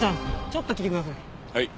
ちょっと来てください。